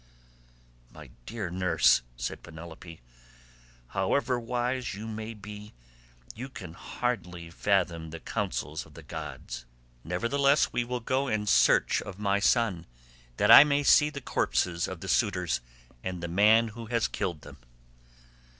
"My dear nurse," said Penelope, "however wise you may be you can hardly fathom the counsels of the gods. Nevertheless, we will go in search of my son, that I may see the corpses of the suitors, and the man who has killed them."